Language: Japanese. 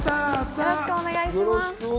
よろしくお願いします。